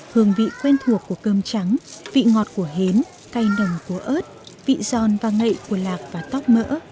hương vị quen thuộc của cơm trắng vị ngọt của hến cay nồng cố ớt vị giòn và ngậy của lạc và tóc mỡ